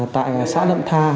tại xã lậm tha